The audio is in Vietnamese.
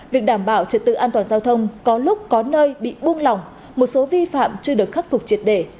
việc đảm bảo trật tự an toàn giao thông có lúc có nơi bị buông lỏng một số vi phạm chưa được khắc phục triệt để